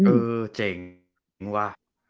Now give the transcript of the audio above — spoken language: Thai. เออเจ๋งว่ะ